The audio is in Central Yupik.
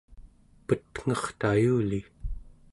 petngertayuli